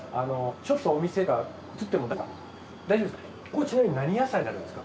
ちょっとお店とか映っても大丈夫ですか？